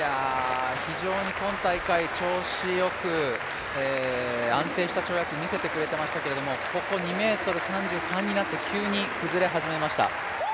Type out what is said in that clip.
今大会調子よく安定した跳躍を見せてくれていましたけどここ２ｍ３３になって急に崩れ始めました。